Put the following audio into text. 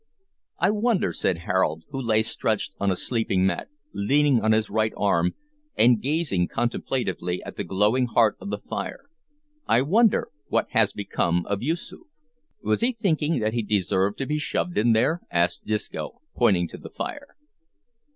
"I wonder," said Harold, who lay stretched on a sleeping mat, leaning on his right arm and gazing contemplatively at the glowing heart of the fire; "I wonder what has become of Yoosoof?" "Was 'ee thinkin' that he deserved to be shoved in there?" asked Disco, pointing to the fire.